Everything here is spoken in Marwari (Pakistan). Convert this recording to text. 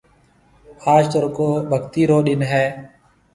آج تو رُگو ڀگتِي رو ڏن هيَ۔